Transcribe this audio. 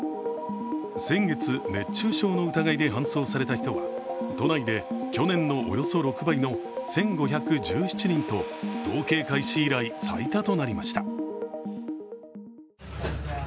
先月、熱中症の疑いで搬送された人は都内で去年のおよそ６倍の１５１７人と、統計開始以来、最多となりました。